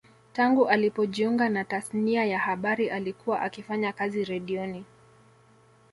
Tangu alipojiunga na tasnia ya habari alikuwa akifanya kazi redioni